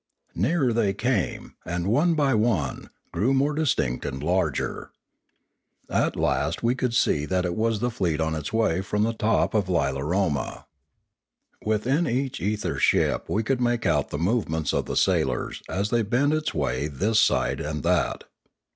Nearer they came and, one by one, grew more distinct and larger. At last we could see that it was the fleet on its way from the top of Lilaroma. Within each ether ship we could make out the movements of the sailors as they bent its way this side and that.